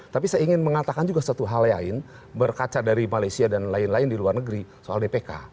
tapi saya ingin mengatakan juga satu hal lain berkaca dari malaysia dan lain lain di luar negeri soal dpk